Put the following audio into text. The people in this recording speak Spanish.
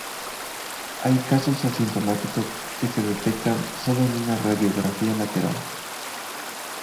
Hay casos asintomáticos que se detectan sólo en una radiografía lateral.